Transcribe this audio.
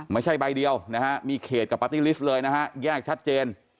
ไม่ใช่ใบเดียวนะฮะมีเขตกับปาร์ตี้ลิสต์เลยนะฮะแยกชัดเจน